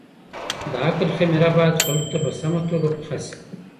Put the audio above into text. د عقل خميره بايد خلګو ته په سمه توګه پخه سي.